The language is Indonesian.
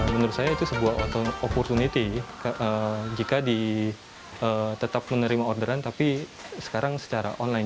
menurut saya itu sebuah opportunity jika tetap menerima orderan tapi sekarang secara online